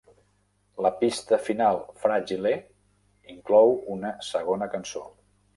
La pista final, "Fragile", inclou una segona cançó.